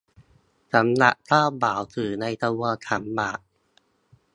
สำหรับเจ้าบ่าวถือในขบวนขันหมาก